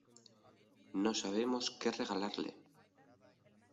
No sabemos qué regalarle.